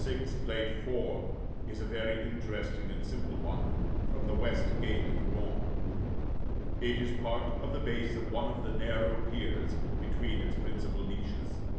6, Plate IV. is a very interesting and simple one, from the west gate of Rouen. It is part of the base of one of the narrow piers between its principal niches.